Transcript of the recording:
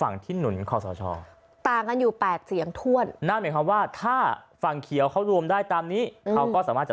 มีคะแนนเสียงกว่าฝั่งที่หนุนขอสช